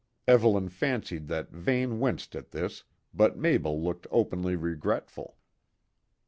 Evelyn fancied that Vane winced at this, but Mabel looked openly regretful.